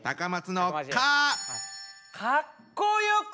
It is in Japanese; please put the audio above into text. かっこよくて。